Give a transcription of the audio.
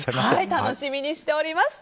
楽しみにしております。